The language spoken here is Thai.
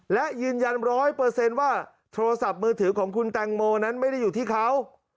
และยืนยัน๑๐๐ว่าโทรศัพท์มือถือของคุณแตงโมนั้นไม่ได้อยู่ที่เขา